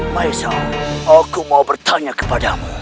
maisa aku mau bertanya kepadamu